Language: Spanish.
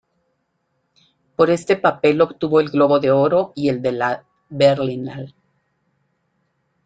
Por este papel obtuvo el Globo de Oro y el de la Berlinale.